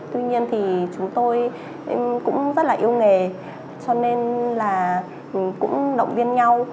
tuy nhiên thì chúng tôi cũng rất là yêu nghề cho nên là cũng động viên nhau